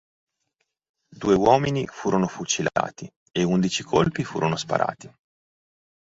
Due uomini furono fucilati e undici colpi furono sparati.